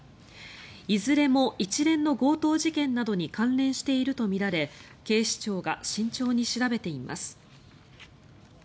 いずれも一連の強盗事件などに関連しているとみられ警視庁が慎重に調べています。